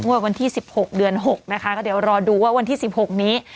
ว่าวันที่สิบหกเดือนหกนะคะก็เดี๋ยวรอดูว่าวันที่สิบหกนี้